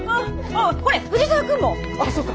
ああそうか。